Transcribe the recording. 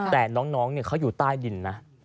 แต่น้องเขาอยู่ใต้ดินนะ